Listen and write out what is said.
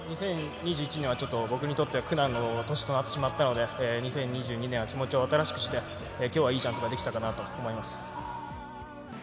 ２０２１年は僕にとって苦難の年となってしまったので２０２２年は気持ちを新しくして、今日はいいジャンプができたかなと。